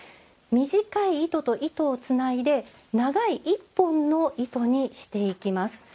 短い糸と糸をつないで長い１本の糸にしていきます。